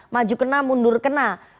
maju kena mundur kena